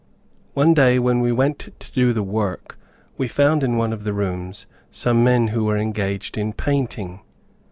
One day, when we went to do the work, we found in one of the rooms, some men who were engaged in painting.